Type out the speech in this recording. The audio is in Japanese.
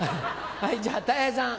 じゃあたい平さん。